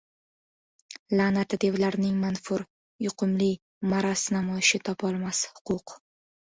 la’nati devlarning manfur, yuqumli, maraz namoyishi topolmas huquq.